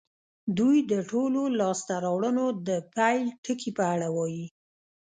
دوی د ټولو لاسته راوړنو د پيل ټکي په اړه وايي.